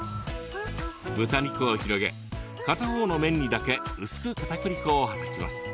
豚肉を広げ片方の面にだけ薄くかたくり粉をはたきます。